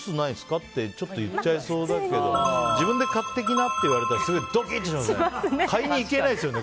って言っちゃいそうだけど自分で買ってきなって言われたらすごくドキっとしますよね。